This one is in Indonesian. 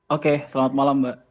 oke selamat malam mbak